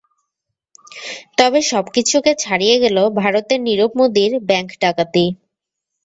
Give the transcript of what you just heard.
তবে সবকিছুকে ছাড়িয়ে গেল ভারতের নীরব মোদির ব্যাংক ডাকাতি।